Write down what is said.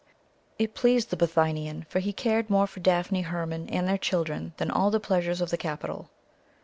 It pleased the Bithynian, for he cared more for Daphne, Hermon, and their children than all the pleasures of the capital.